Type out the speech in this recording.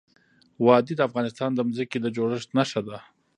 وادي د افغانستان د ځمکې د جوړښت نښه ده.